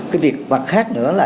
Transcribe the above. cái việc mặt khác nữa là